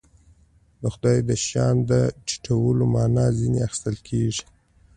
د خدای د شأن د ټیټولو معنا ځنې اخیستل کېږي.